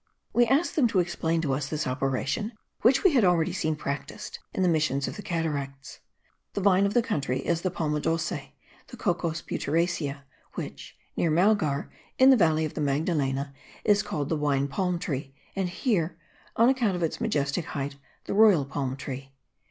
We asked them to explain to us this operation, which we had already seen practised in the missions of the Cataracts. The vine of the country is the palma dolce, the Cocos butyracea, which, near Malgar, in the valley of the Magdalena, is called the wine palm tree, and here, on account of its majestic height, the royal palm tree.